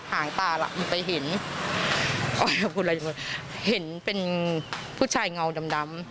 ห่างตาละมันไปเห็นเห็นเป็นผู้ชายเงาดำ